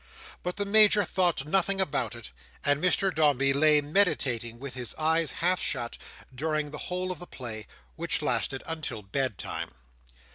But the Major thought nothing about it; and Mr Dombey lay meditating with his eyes half shut, during the whole of the play, which lasted until bed time.